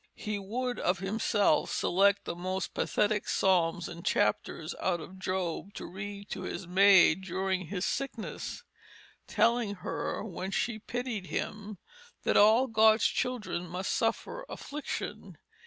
"He would of himself select the most pathetic psalms and chapters out of Job, to read to his maid during his sickness, telling her, when she pitied him, that all God's children must suffer affliction.